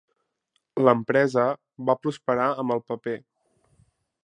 L'empresa va prosperar amb el paper.